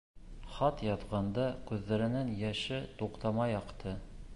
Хат яҙғанда күҙҙәренән йәше туҡтамай аҡты.